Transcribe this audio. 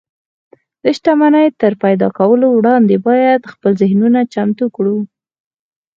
د شتمنۍ تر پيدا کولو وړاندې بايد خپل ذهنونه چمتو کړو.